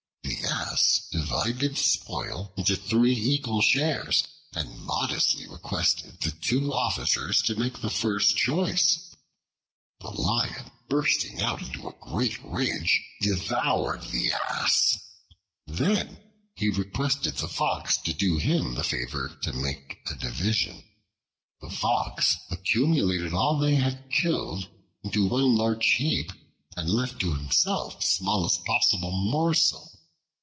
The Ass carefully divided the spoil into three equal shares and modestly requested the two others to make the first choice. The Lion, bursting out into a great rage, devoured the Ass. Then he requested the Fox to do him the favor to make a division. The Fox accumulated all that they had killed into one large heap and left to himself the smallest possible morsel.